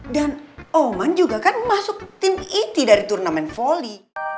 dan oman juga kan masuk tim iti dari turnamen voli